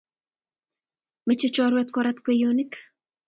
Meche chorwet korat kweyonik